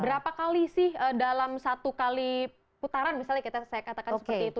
berapa kali sih dalam satu kali putaran misalnya saya katakan seperti itu